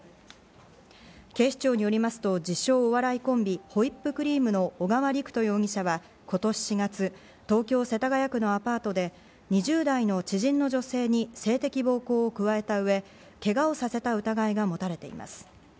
警視庁によりますと、自称お笑いコンビ、ホイップリームの小川陸斗容疑者は、今年４月、東京・世田谷区のアパートで２０代の知人の女性に性的暴行を加えた上、けがをさせた疑いが持たれています。